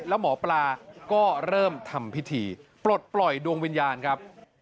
แล้วหมอปลาก็เริ่มทำพิธีปลดปล่อยดวงวิญญาณครับ